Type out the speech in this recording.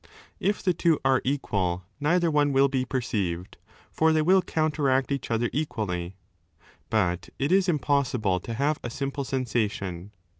If the two are equal neither one will be perceived, for they will counteract each other equally. But it is impossible 4 to have a simple sensation.